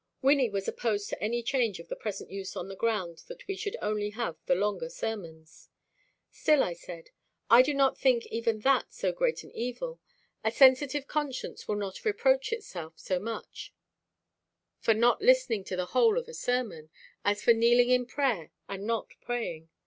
Wynnie was opposed to any change of the present use on the ground that we should only have the longer sermons. "Still," I said, "I do not think even that so great an evil. A sensitive conscience will not reproach itself so much for not listening to the whole of a sermon, as for kneeling in prayer and not praying.